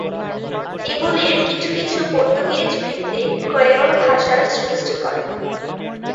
এগুলির কিছু কিছু পর্তুগিজ ভিত্তিক ক্রেওল ভাষার সৃষ্টি করে।